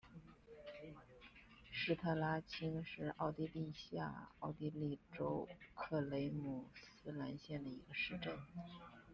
施特拉青是奥地利下奥地利州克雷姆斯兰县的一个市镇。